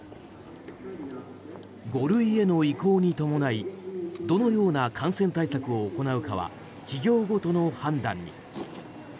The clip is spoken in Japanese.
５類への移行に伴いどのような感染対策を行うかは企業ごとの判断に。